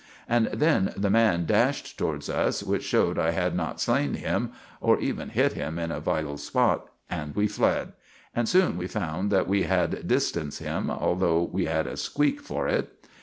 And then the man dashed towards us, which showed I had not slain him, or even hit him in a vittle spot; and we fled, and soon we found that we had distanced him, though we had a squeek for it.